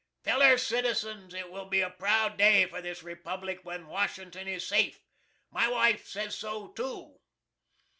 ] Feller citizens, it will be a proud day for this Republic when Washington is safe. My wife says so too.